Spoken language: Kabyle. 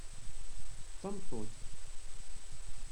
D tameṭṭut.